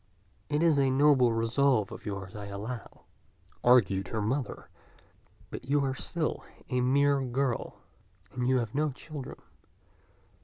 "It is a noble resolve of yours, I allow," argued her mother; "but you are still a mere girl, and you have no children.